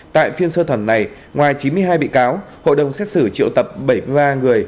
tại phiên sơ thẩm này ngoài chín mươi hai bị cáo hội đồng xét xử triệu tập bảy mươi ba người